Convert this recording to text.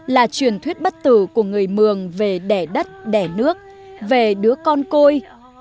là truyền thuyết bất tử của người mường về đẻ đất đẻ nước về đứa con côi